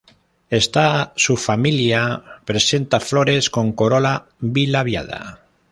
Esta subfamilia presenta flores con corola bilabiada.